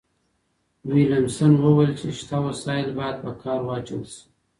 ويلم سن وويل چي شته وسايل بايد په کار واچول سي.